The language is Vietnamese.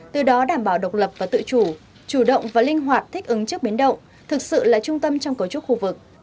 từ đó đảm bảo độc lập và tự chủ chủ động và linh hoạt thích ứng trước biến động thực sự là trung tâm trong cấu trúc khu vực